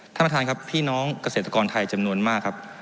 ท่านประธานครับพี่น้องเกษตรกรไทยจำนวนมากครับ